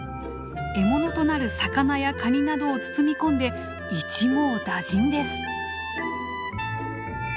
獲物となる魚やカニなどを包み込んで一網打尽です！